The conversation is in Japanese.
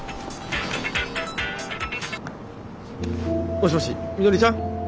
もしもしみのりちゃん？